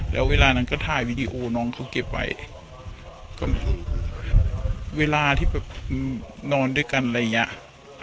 แล้วเวลานั้นก็ถ่ายวีดีโอน้องเขาเก็บไว้ก็เวลาที่แบบนอนด้วยกันอะไรอย่างเงี้ย